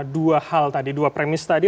dua hal tadi dua premis tadi